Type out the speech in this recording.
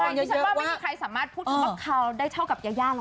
ที่ฉันว่าไม่มีใครสามารถพูดว่าคาวได้เท่ากับยาย่าแล้วค่ะ